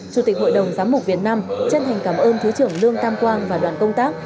chủ tịch hội đồng giám mục việt nam chân thành cảm ơn thứ trưởng lương tam quang và đoàn công tác